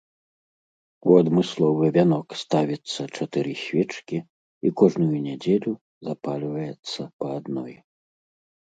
У адмысловы вянок ставіцца чатыры свечкі і кожную нядзелю запальваецца па адной.